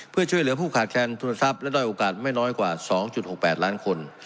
เพื่อช่วยเหลือผู้ขาดแคนทุนทรัพย์และด้อยโอกาสไม่น้อยกว่า๒๖๘ล้านคน